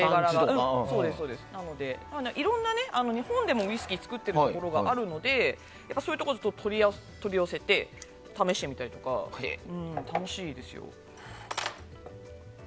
日本でも、いろんなウイスキーを作っているところがあるのでそういうところから取り寄せて試してみたりとか楽しいですよ。